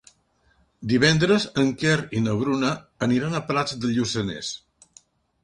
Divendres en Quer i na Bruna aniran a Prats de Lluçanès.